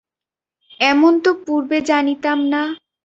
এমন তো পূর্বে জানিতাম না।